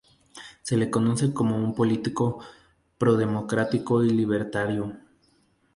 Se le conoce como un político pro-democrático y libertario.